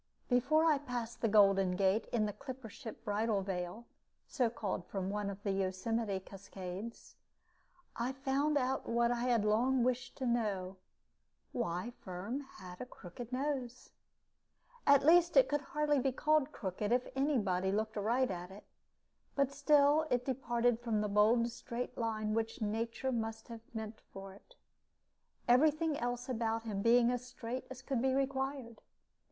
Before I passed the Golden Gate in the clipper ship Bridal Veil (so called from one of the Yosemite cascades) I found out what I had long wished to know why Firm had a crooked nose. At least, it could hardly be called crooked if any body looked aright at it; but still it departed from the bold straight line which nature must have meant for it, every thing else about him being as straight as could be required.